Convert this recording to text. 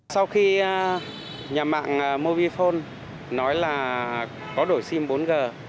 sau khi nhà mạng mobifone nói là có đổi sim bốn g